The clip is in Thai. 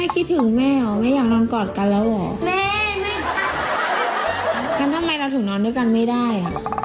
ทำไมเราถึงนอนด้วยกันไม่ได้